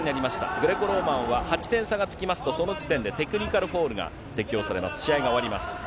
グレコローマンは、８点差がつきますと、その時点でテクニカルフォールが適用されます、試合が終わります。